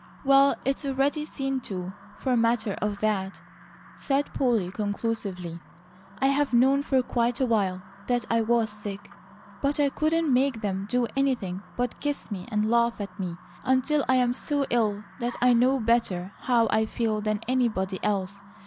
"Well, it's already seen to, for matter of that," said Polly conclusively. "I've known for quite a while that I was sick; but I couldn't make them do anything but kiss me, and laugh at me, until I am so ill that I know better how I feel than anybody else.